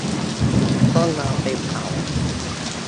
ต้องเอาไปเผา